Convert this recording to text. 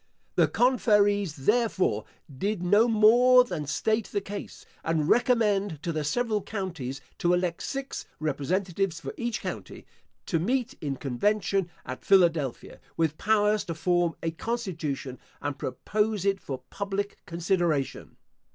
The conferees, therefore, did no more than state the case, and recommend to the several counties to elect six representatives for each county, to meet in convention at Philadelphia, with powers to form a constitution, and propose it for public consideration.